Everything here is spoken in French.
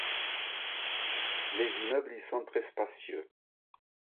Les immeubles y sont très spacieux.